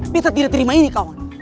peter tidak terima ini kawan